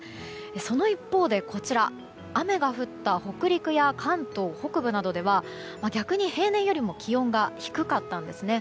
その一方で、雨が降った北陸や関東北部などでは逆に平年よりも気温が低かったんですね。